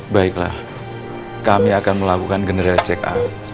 baiklah kami akan melakukan general check up